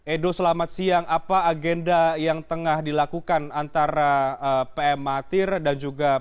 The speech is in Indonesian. edo selamat siang apa agenda yang tengah dilakukan antara pm mahathir dan presiden joko widodo